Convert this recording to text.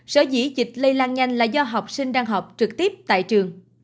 sở dĩ dịch lây lan nhanh là do học sinh đang học trực tiếp tại trường